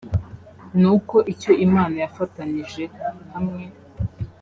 nuko icyo Imana yafatanije hamwe